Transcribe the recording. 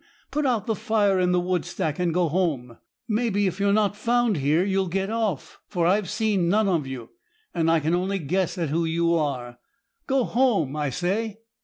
Put out the fire in the wood stack, and go home. Maybe if you're not found here you'll get off; for I've seen none of you, and I can only guess at who you are. Go home, I say.'